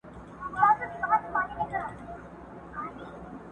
ګوره بوی د سوځېدو یې بیل خوند ورکي و کباب ته.